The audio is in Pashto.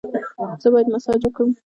ایا زه باید مساج وکړم؟